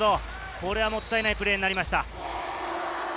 これはもったいないプレーになりました。